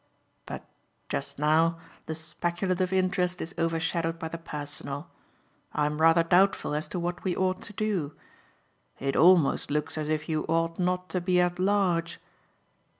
But just now, the speculative interest is overshadowed by the personal. I am rather doubtful as to what we ought to do. It almost looks as if you ought not to be at large."